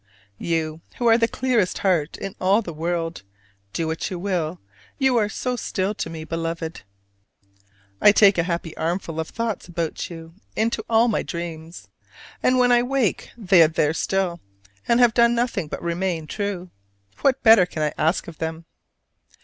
You, who are the clearest heart in all the world, do what you will, you are so still to me, Beloved. I take a happy armful of thoughts about you into all my dreams: and when I wake they are there still, and have done nothing but remain true. What better can I ask of them?